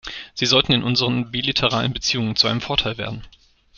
Sie sollten in unseren bilateralen Beziehungen zu einem Vorteil werden.